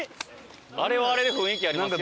あれはあれで雰囲気ありますけど。